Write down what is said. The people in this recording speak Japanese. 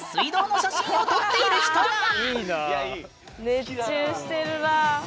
熱中してるなあ！